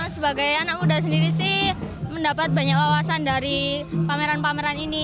sebagai anak muda sendiri sih mendapat banyak wawasan dari pameran pameran ini